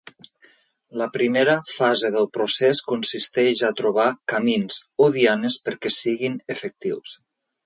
La primera fase del procés consisteix a trobar camins o dianes perquè siguin efectius.